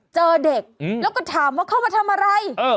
เจอเด็กแล้วก็ถามว่าเข้ามาทำอะไร